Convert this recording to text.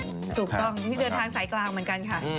ถูกต้องนี่เดินทางสายกลางเหมือนกันค่ะ